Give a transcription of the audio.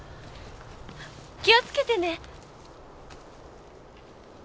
気をつけてね。